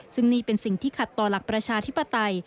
ซึ่งนี่เป็นสิ่งที่ขัดต่อหลักประชาธิปไตย